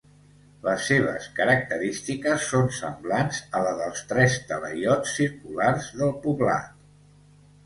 Les seves característiques són semblants a la dels tres talaiots circulars del poblat.